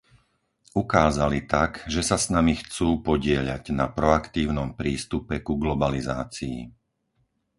Ukázali tak, že sa s nami chcú podieľať na proaktívnom prístupe ku globalizácii.